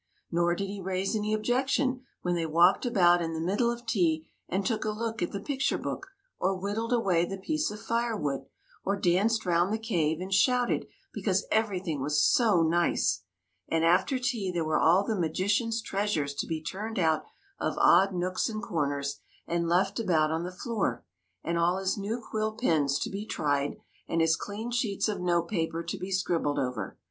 Nor did he raise any objection when they walked about in the middle of tea and took a look at the picture book, or whittled away the piece of firewood, or danced round the cave and shouted because everything was so nice. And after tea there were all the magician's treasures to be turned out of odd nooks and corners and left about on the floor, and all his new quill pens to be tried, and his clean sheets of note paper to be scribbled over.